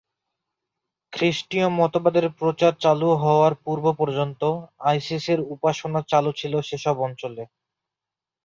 খ্রিস্টিয় মতবাদের প্রচার শুরু হওয়ার পূর্ব পর্যন্ত আইসিসের উপাসনা চালু ছিল সে সব অঞ্চলে।